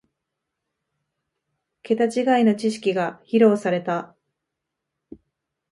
ケタ違いの知識が披露された